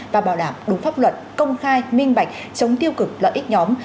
và bảo đảm đúng pháp luật công khai minh bạch chống tiêu cực lợi ích nhóm